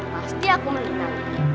pasti aku menang